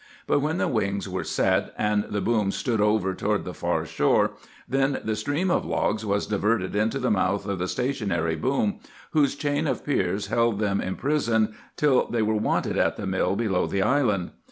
But when the wings were set, and the boom stood over toward the far shore, then the stream of logs was diverted into the mouth of the stationary boom, whose chain of piers held them imprisoned till they were wanted at the mill below the island.